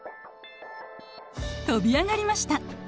跳び上がりました。